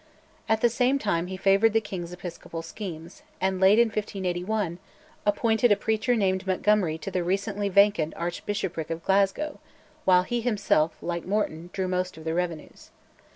At the same time he favoured the king's Episcopal schemes, and, late in 1581, appointed a preacher named Montgomery to the recently vacant Archbishopric of Glasgow, while he himself, like Morton, drew most of the revenues.